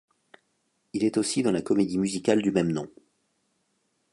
Il est aussi dans la comédie musicale du même nom.